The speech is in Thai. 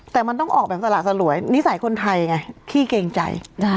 แต่มันต้องออกแบบสละสลวยนิสัยคนไทยไงขี้เกรงใจ